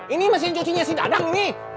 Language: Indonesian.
ini mesin cucinya si dadang nih